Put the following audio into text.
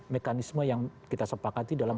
mekanisme yang kita sepakati dalam